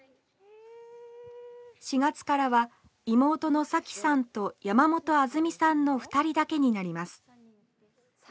４月からは妹の彩希さんと山元杏純さんの２人だけになります。